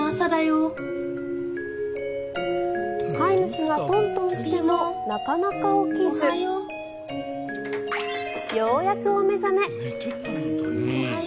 飼い主がトントンしてもなかなか起きずようやくお目覚め。